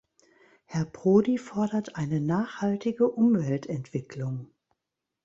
Herr Prodi fordert eine nachhaltige Umweltentwicklung.